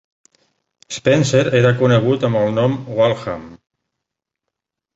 Spencer era conegut amb el nom Waltham.